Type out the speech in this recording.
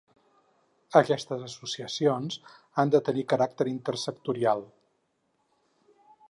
Aquestes associacions han de tenir caràcter intersectorial.